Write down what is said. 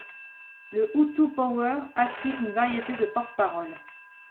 Le Hutu Power acquit une variété de porte-paroles.